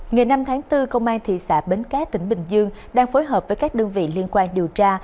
ngày năm tháng bốn công an thị xã bến cát tỉnh bình dương đang phối hợp với các đơn vị liên quan điều tra